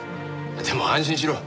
でも安心しろ。